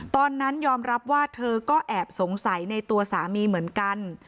ตอนนั้นยอมรับว่าเธอก็แอบสงสัยในตัวสามีเหมือนกัน